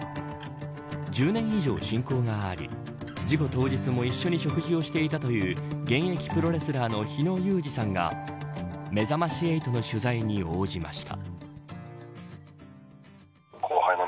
１０年以上、親交があり事故当日も一緒に食事をしていたという現役プロレスラーの火野裕士さんがめざまし８の取材に応じました。